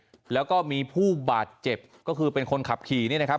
แล้วก็มีผู้บาดเจ็บก็คือเป็นคนขับขี่นี่นะครับ